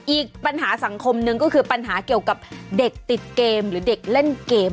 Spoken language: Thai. อีกปัญหาสังคมหนึ่งก็คือปัญหาเกี่ยวกับเด็กติดเกมหรือเด็กเล่นเกม